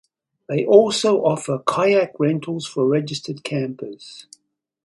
They also offer kayak rentals for registered campers.